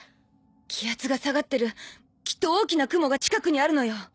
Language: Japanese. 気圧が下がってるきっと大きな雲が近くにあるのよ